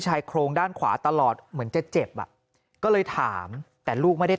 ชายโครงด้านขวาตลอดเหมือนจะเจ็บอ่ะก็เลยถามแต่ลูกไม่ได้